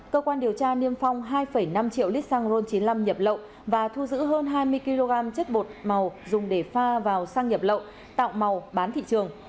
cơ quan điều tra niêm phong hai năm triệu lít xăng ron chín mươi năm nhập lậu và thu giữ hơn hai mươi kg chất bột màu dùng để pha vào xăng nhập lậu tạo màu bán thị trường